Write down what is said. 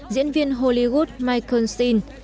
diễn viên hollywood michael